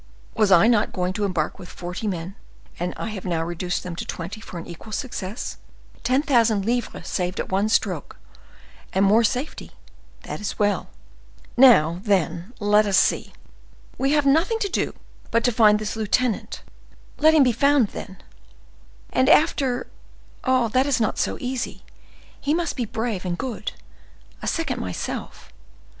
Was I not going to embark with forty men, and I have now reduced them to twenty for an equal success? Ten thousand livres saved at one stroke, and more safety; that is well! Now, then, let us see; we have nothing to do but to find this lieutenant—let him be found, then; and after—That is not so easy; he must be brave and good, a second myself.